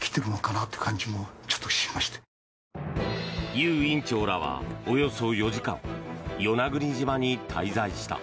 ユウ院長らは、およそ４時間与那国島に滞在した。